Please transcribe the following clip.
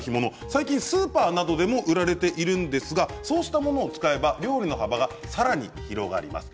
最近はスーパーなどでも売られているんですがそうしたものを使えば料理の幅がさらに広がります。